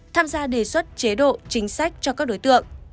tham gia đề xuất chế độ chính sách cho các đối tượng